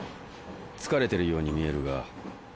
疲れてるように見えるが。